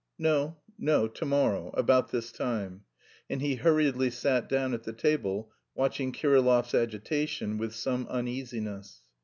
"No, no, to morrow... about this time." And he hurriedly sat down at the table, watching Kirillov's agitation with some uneasiness.